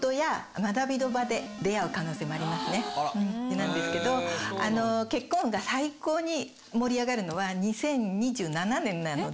なんですけど結婚運が最高に盛り上がるのは２０２７年なので。